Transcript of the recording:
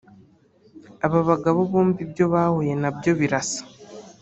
Aba bagabo bombi ibyo bahuye nabyo birasa